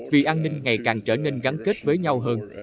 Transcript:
vì an ninh ngày càng trở nên gắn kết với nhau hơn